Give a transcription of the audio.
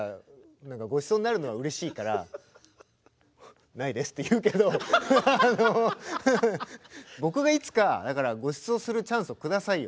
ごちそうになるのはうれしいから「ないです」って言うけど僕がいつかごちそうするチャンスをくださいよ。